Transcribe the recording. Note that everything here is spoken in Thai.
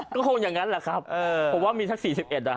ก็คงยังงั้นแหละครับเออ